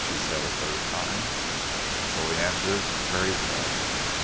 she said, a third time. So he answered, "Very well."